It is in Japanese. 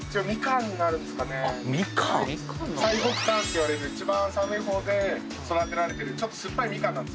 最北端っていわれる一番寒い方で育てられてるちょっと酸っぱいみかん。